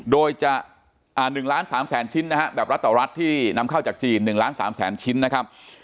โดยจะ๑ล้าน๓แสนชิ้นนะฮะแบบรัฐต่อรัฐที่นำเข้าจากจีน๑ล้าน๓แสนชิ้นนะครับ